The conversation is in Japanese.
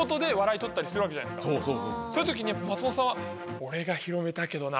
そういう時に松本さんは。